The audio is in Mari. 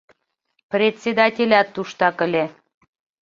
Председателят туштак ыле.